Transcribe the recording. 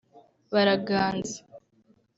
baraganza